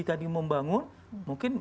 tadi membangun mungkin